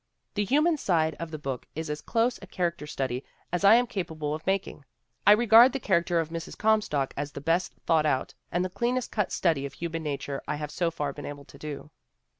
The human side of the book is as close a character study as I am capable of making. I regard the character of Mrs. Comstock as the best thought out and the cleanest cut study of human nature I have so far been able to do.'